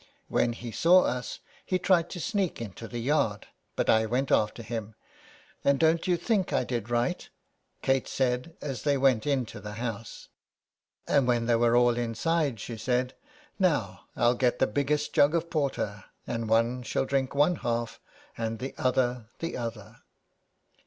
" When he saw us he tried to sneak into the yard ; but I went after him. And don't you think I did right ?" Kate said, as they went into the house. And when they were all inside, she said :" Now I'll get the biggest jug of porter, and one shall drink one half and the other the other."